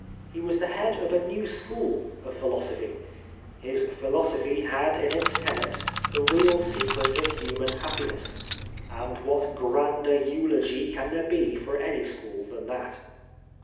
He was the head of a new school of philosophy ; his philosophy had in its tenets the real secret of human happiness, and what grander eulogy can there be for any school than that